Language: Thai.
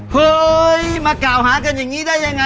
เฮ้ยมากล่าวหากันอย่างนี้ได้ยังไง